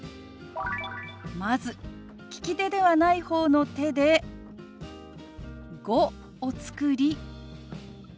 まず利き手ではない方の手で「５」を作り